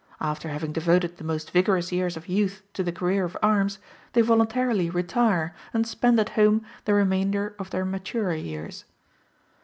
After having devoted the most vigorous years of youth to the career of arms, they voluntarily retire, and spend at home the remainder of their maturer years.